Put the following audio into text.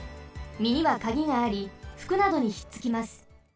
みにはカギがありふくなどにひっつきます。